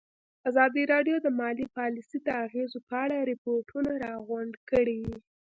ازادي راډیو د مالي پالیسي د اغېزو په اړه ریپوټونه راغونډ کړي.